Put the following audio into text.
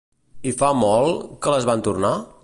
I fa molt, que les van tornar?